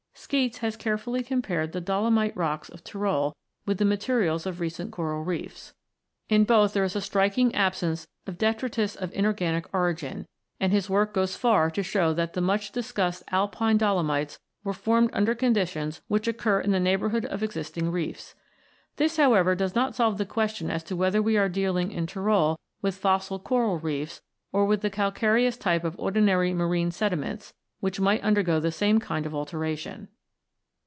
Skeats(i5)has carefully compared the dolomite rocks of Tyrol with the materials of recent coral reefs. In 32 ROCKS AND THEIR ORIGINS [CH. both there is a striking absence of detritus of inorganic origin, and his work goes far to show that the much discussed Alpine dolomites were formed under condi tions which occur in the neighbourhood of existing reefs. This, however, does not solve the question as to whether we are dealing in Tyrol with fossil coral reefs, or with the calcareous type of ordinary marine sedi ments, which might undergo the same kind of alteration.